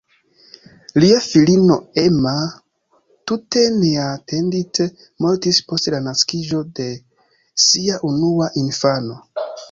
Lia filino "Emma" tute neatendite mortis post la naskiĝo de sia unua infano.